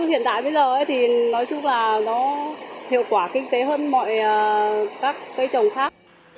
trồng chanh như hiện tại bây giờ thì nói chung là nó hiệu quả kinh tế hơn mọi các cây trồng khác